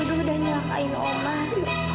aida dituduh dan nyelakain omar